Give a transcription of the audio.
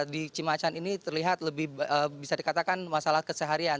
di cimacan ini terlihat lebih bisa dikatakan masalah keseharian